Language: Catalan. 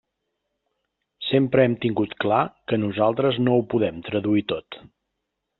Sempre hem tingut clar que nosaltres no ho podem traduir tot.